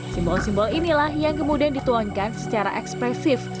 simbol simbol inilah yang kemudian dituangkan secara ekspresif